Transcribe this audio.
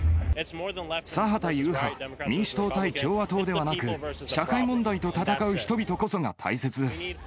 左派対右派、民主党対共和党ではなく、社会問題と戦う人々こそが大切です。